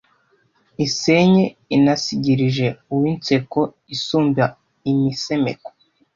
isennye inasigirije Uw’inseko isumba imisemeko